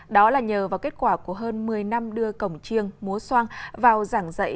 đó là nhờ vào kết quả của hơn một mươi năm đưa cổng chiêng múa soang vào giảng dạy